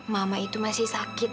mama itu masih sakit